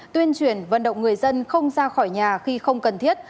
tuyên truyền vận động người dân không ra khỏi nhà khi không cần thiết